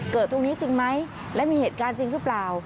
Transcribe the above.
ตรงนี้จริงไหมและมีเหตุการณ์จริงหรือเปล่า